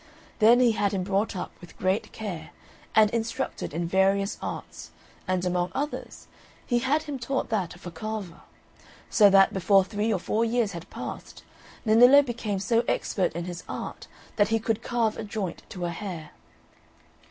Then he had him brought up with great care, and instructed in various arts, and among others, he had him taught that of a carver; so that, before three or four years had passed, Nennillo became so expert in his art that he could carve a joint to a hair.